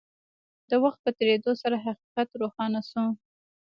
د وخت په تېرېدو سره حقيقت روښانه شو.